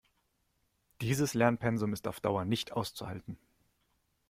Dieses Lernpensum ist auf Dauer nicht auszuhalten.